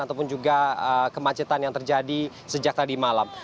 ataupun juga kemacetan yang terjadi sejak tadi malam